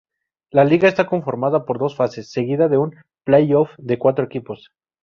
La liga está conformada por dos fases, seguida de un playoff de cuatro equipos.